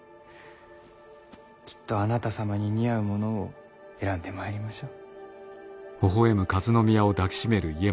きっとあなた様に似合うものを選んでまいりましょう。